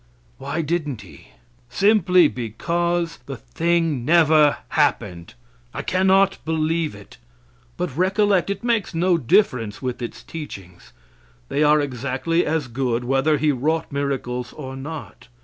Why didn't He? Simply because the thing never happened. I cannot believe it. But recollect, it makes no difference with its teachings. They are exactly as good whether He wrought miracles or not.